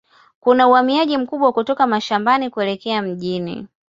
Kuna uhamiaji mkubwa kutoka mashambani kuelekea mjini.